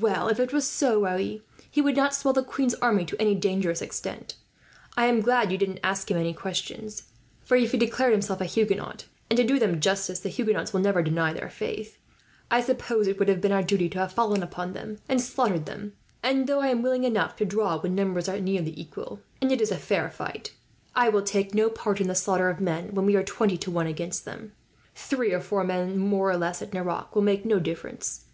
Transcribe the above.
"Well, if it was so, Raoul, he will not swell the queen's army to any dangerous extent. I am glad that you didn't ask him any questions; for if he declared himself a Huguenot and to do them justice, the Huguenots will never deny their faith I suppose it would have been our duty to have fallen upon them and slaughtered them; and though I am willing enough to draw, when numbers are nearly equal and it is a fair fight, I will take no part in the slaughter of men when we are twenty to one against them. Three or four men, more or less, at Nerac will make no difference.